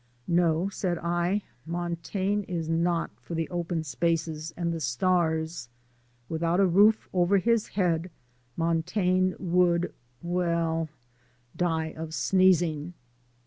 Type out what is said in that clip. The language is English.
"No," said I, "Montaigne is not for the open spaces and the stars. Without a roof over his head Montaigne would well, die of sneezing."